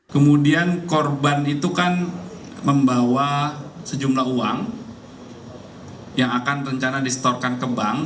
kemudian korban itu kan membawa sejumlah uang yang akan rencana distorkan ke bank